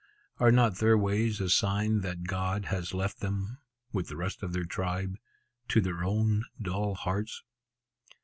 Are not their ways a sign that God has left them (with the rest of their tribe) to their own dull hearts?